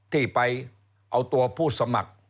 ที่ไปเอาตัวผู้สมัคร